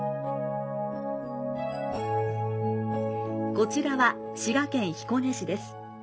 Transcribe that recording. こちらは滋賀県彦根市です。